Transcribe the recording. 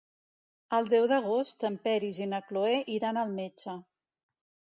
El deu d'agost en Peris i na Cloè iran al metge.